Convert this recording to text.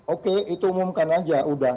oke itu umumkan aja udah